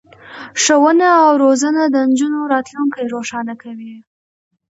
ښوونه او روزنه د نجونو راتلونکی روښانه کوي.